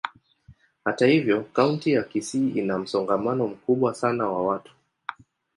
Hata hivyo, kaunti ya Kisii ina msongamano mkubwa sana wa watu.